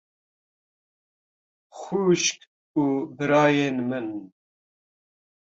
Xwişk û birayên min!